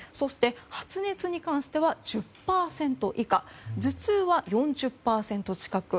発熱に関しては１０％以下頭痛は４０％近く。